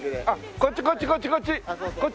こっちこっちこっちこっち。